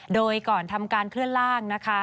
โดยก่อนทำการเคลื่อนล่างนะคะ